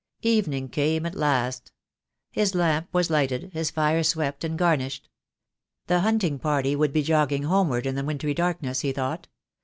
Evening came at last. His lamp was lighted, his fire swept and garnished. The hunting party would be jogging homeward in the wintry darkness, he thought.